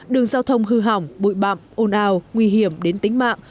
đường giao thông hư hỏng bụi bạm ồn ào nguy hiểm đến tính mạng